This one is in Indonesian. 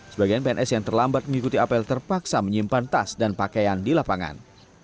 sebagian pns yang terlambat mengikuti apel terpaksa menyimpan tas dan pakaian di lapangan